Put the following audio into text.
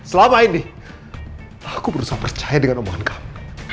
selama ini aku berusaha percaya dengan omongan kami